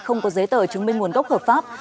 không có giấy tờ chứng minh nguồn gốc hợp pháp